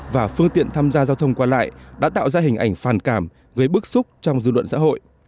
và phương tiện tham gia giao thông qua lại đã tạo ra hình ảnh phản cảm gây bức xúc trong dư luận xã hội